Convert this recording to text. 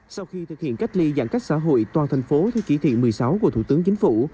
sau khi thực hiện cách ly giãn cách xã hội toàn thành phố theo chỉ thị một mươi sáu của thủ tướng chính phủ